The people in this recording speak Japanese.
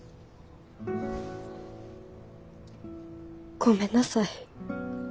ごめんなさい。